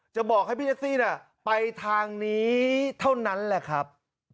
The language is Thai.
จะบอกให้พี่แท็กซี่ไปทางนี้เท่านั้นแหละครับ